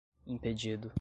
impedido